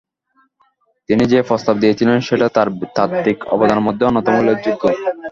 তিনি যে প্রস্তাব দিয়েছিলেন সেটা তার তাত্ত্বিক অবদানের মধ্যে অন্যতম উল্লেখযোগ্য।